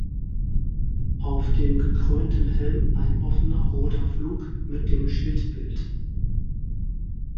Auf dem gekrönten Helm ein offener roter Flug mit dem Schildbild.